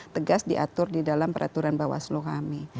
tegas diatur di dalam peraturan bawah seluruh kami